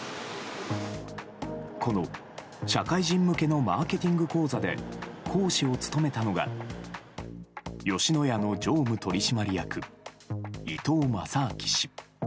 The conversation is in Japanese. この社会人向けのマーケティング講座で講師を務めたのが吉野家の常務取締役伊東正明氏。